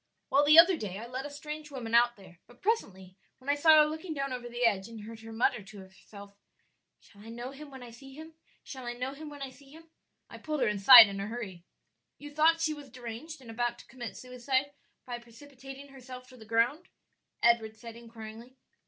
"Well, the other day I let a strange woman out there, but presently when I saw her looking down over the edge and heard her mutter to herself, 'Shall I know him when I see him? shall I know him when I see him?' I pulled her inside in a hurry." "You thought she was deranged and about to commit suicide by precipitating herself to the ground?" Edward said inquiringly.